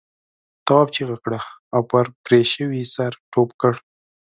تواب چیغه کړه او پر پرې شوي سر ټوپ کړ.